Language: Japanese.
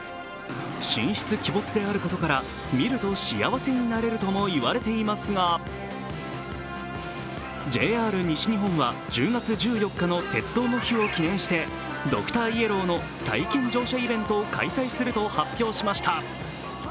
神出鬼没であることから、見ると幸せになれるとも言われていますが、ＪＲ西日本は１０月１４日の鉄道の日を記念してドクターイエローの体験乗車イベントを開催すると発表しました。